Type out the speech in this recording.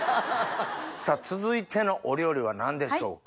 さぁ続いてのお料理は何でしょうか？